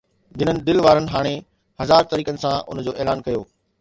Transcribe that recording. جنن دل وارن هاڻي هزار طريقن سان ان جو اعلان ڪيو